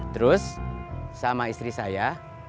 terus sama istri saya